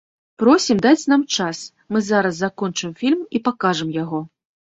Просім даць нам час, мы зараз закончым фільм і пакажам яго.